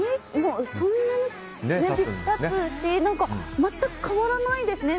そんなに経つし全く変わらないですね